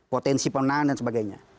potensi penang dan sebagainya